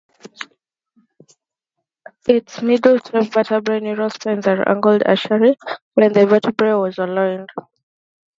Its middle tail vertebrae's neural spines are angled anteriorly when the vertebrae are aligned.